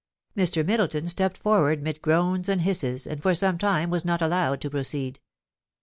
Mr. Middleton stepped forward mid groans and hisses, and for some time was not allowed to proceed.